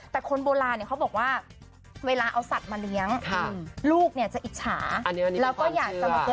แต่คนโบราณเขาบอกว่าเวลาเอาสัตว์มาเลี้ยงลูกจะอิจฉาแล้วก็อยากจะมาเกิด